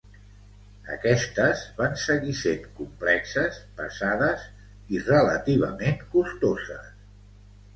Aquestes van seguir sent complexes, pesades i relativament costoses.